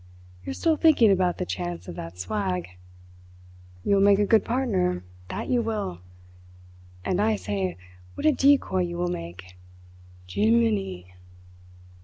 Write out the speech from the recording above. "You are still thinking about the chance of that swag. You'll make a good partner, that you will! And, I say, what a decoy you will make! Jee miny!"